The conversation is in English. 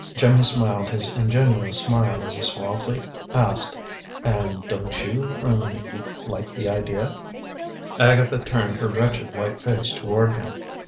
Jimmy smiled his ingenuous smile as he suavely asked, "And don't you er like the idea?" Agatha turned her wretched white face toward him.